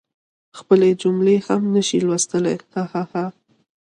خپلي جملی هم نشي لوستلی هههه